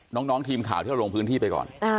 น้องทีมข่าวที่เราลงพื้นที่ไปก่อน